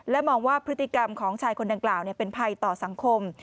มองว่าพฤติกรรมของชายคนดังกล่าวเป็นภัยต่อสังคม